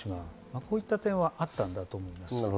こうした点はあったんだと思います。